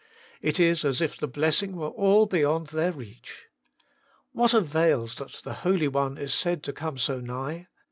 It is as if the blessing were all beyond their reach. What avails that the Holy One is said to come so nigh